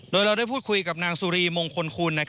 โดยเราได้พูดคุยกับนางสุรีมงคลคุณ